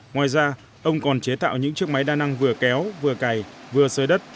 ngoài ra ông còn chế tạo những chiếc máy đa năng vừa kéo vừa cày vừa sới đất